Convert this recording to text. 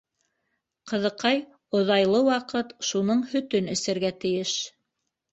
Ҡыҙыҡай оҙайлы ваҡыт шуның һөтөн әсергә тейеш.